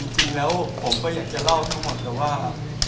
จริงแล้วผมก็อยากจะเล่าทั้งหมดแต่ว่า